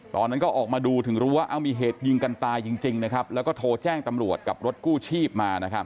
ตอนนั้นก็ออกมาดูถึงรู้ว่ามีเหตุยิงกันตายจริงนะครับแล้วก็โทรแจ้งตำรวจกับรถกู้ชีพมานะครับ